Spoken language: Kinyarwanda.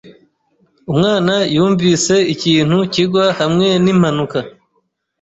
Umwana yumvise ikintu kigwa hamwe nimpanuka.